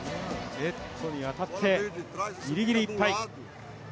ネットに当たってギリギリいっぱい。